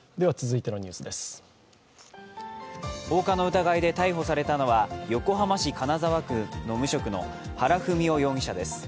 放火の疑いで逮捕されたのは横浜市金沢区の無職の原文雄容疑者です。